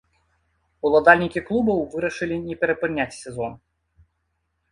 Уладальнікі клубаў вырашылі не перапыняць сезон.